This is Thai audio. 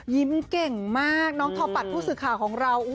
เก่งมากน้องทอปัดผู้สื่อข่าวของเรา